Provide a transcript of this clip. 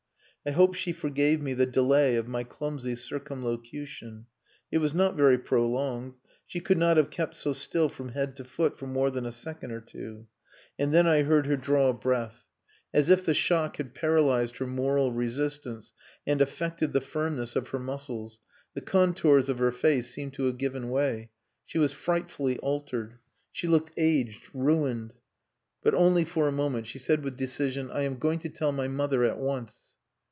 I hope she forgave me the delay of my clumsy circumlocution. It was not very prolonged; she could not have kept so still from head to foot for more than a second or two; and then I heard her draw a breath. As if the shock had paralysed her moral resistance, and affected the firmness of her muscles, the contours of her face seemed to have given way. She was frightfully altered. She looked aged ruined. But only for a moment. She said with decision "I am going to tell my mother at once."